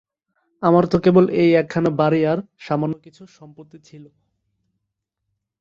আমার তো কেবল এই একখানা বাড়ি আর সামান্য কিছু সম্পত্তি ছিল।